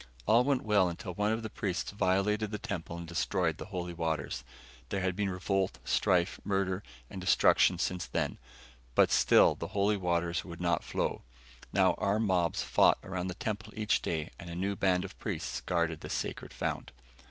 All went well until one of the priests violated the temple and destroyed the holy waters. There had been revolt, strife, murder and destruction since then. But still the holy waters would not flow. Now armed mobs fought around the temple each day and a new band of priests guarded the sacred fount.